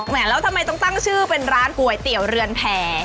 แล้วทำไมต้องตั้งชื่อเป็นร้านก๋วยเตี๋ยวเรือนแผ่